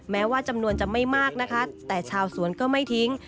แม้ว่าจำนวนจะไม่มากนะคะแต่ชาวสวนก็ไม่ทิ้ง